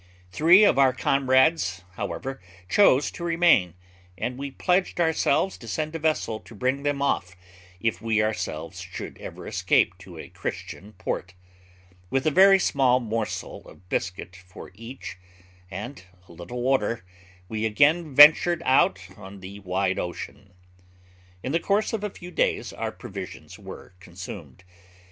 Three of our comrades, however, chose to remain, and we pledged ourselves to send a vessel to bring them off, if we ourselves should ever escape to a Christian port. With a very small morsel of biscuit for each, and a little water, we again ventured out on the wide ocean. In the course of a few days our provisions were consumed.